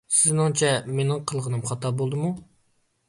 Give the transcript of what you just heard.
سىزنىڭچە، مېنىڭ قىلغىنىم خاتا بولدىمۇ؟